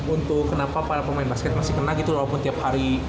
untuk kenapa para pemain basket masih kena gitu walaupun tiap hari